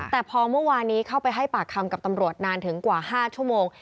แต่พอเมื่อวานนี้เข้าไปให้ปากคำกับตำรวจนานถึงกว่า๕ชั่วโมง